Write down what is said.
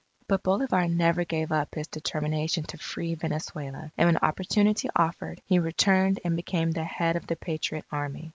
But Bolivar never gave up his determination to free Venezuela. And when opportunity offered, he returned and became the head of the Patriot Army.